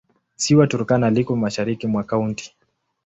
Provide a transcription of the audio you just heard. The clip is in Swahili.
Ziwa Turkana liko mashariki mwa kaunti.